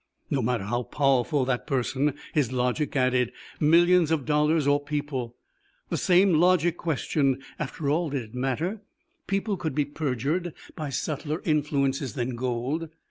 No matter how powerful that person, his logic added. Millions of dollars or people? the same logic questioned. After all, did it matter? People could be perjured by subtler influences than gold.